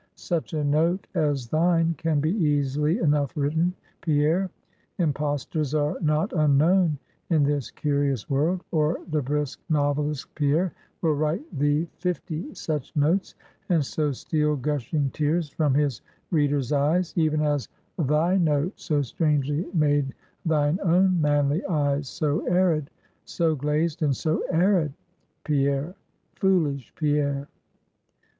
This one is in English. Such a note as thine can be easily enough written, Pierre; impostors are not unknown in this curious world; or the brisk novelist, Pierre, will write thee fifty such notes, and so steal gushing tears from his reader's eyes; even as thy note so strangely made thine own manly eyes so arid; so glazed, and so arid, Pierre foolish Pierre!